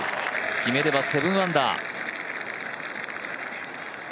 決めれば７アンダー。